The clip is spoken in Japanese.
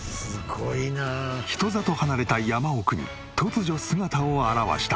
人里離れた山奥に突如姿を現した。